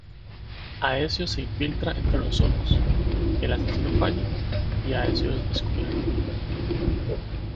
Aecio se infiltra entre los hunos, el asesino falla y Aecio es descubierto.